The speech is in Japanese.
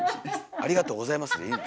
「ありがとうございます」でいいの。